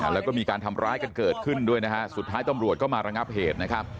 แล้วก็มีการทำร้ายเกิดขึ้นด้วยสุดท้ายตอบรวจก็มาระงับเหตุ